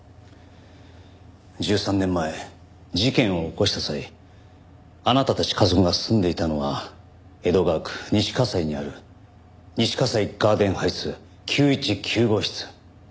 １３年前事件を起こした際あなたたち家族が住んでいたのは江戸川区西西にある西西ガーデンハイツ９１９号室。